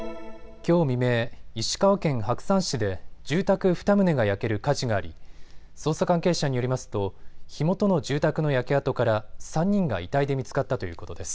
きょう未明、石川県白山市で住宅２棟が焼ける火事があり捜査関係者によりますと火元の住宅の焼け跡から３人が遺体で見つかったということです。